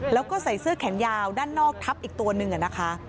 แล้วก็ใส่เสื้อแขนยาวด้านนอกทับอีกตัวหนึ่งนะคะ